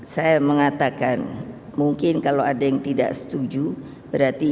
saya mengatakan mungkin kalau ada yang tidak setuju berarti tidak setuju kepada kata kata